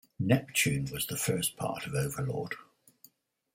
"Neptune" was the first part of "Overlord".